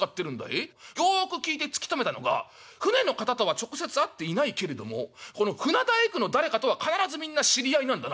よく聞いて突き止めたのが船の方とは直接会っていないけれどもこの船大工の誰かとは必ずみんな知り合いなんだな。